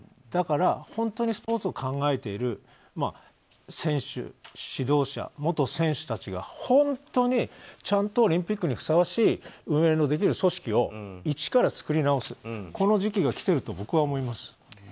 だから本当にスポーツを考えている選手、指導者元選手たちが、本当にちゃんとオリンピックにふさわしい運営のできる組織を一から作り直すこの時期が来ていると僕は思います。